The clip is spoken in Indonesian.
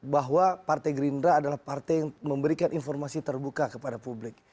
bahwa partai gerindra adalah partai yang memberikan informasi terbuka kepada publik